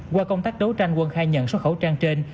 qua công tác đấu tranh quân khai nhận số khẩu trang trên